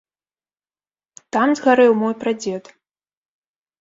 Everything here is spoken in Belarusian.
Там згарэў мой прадзед.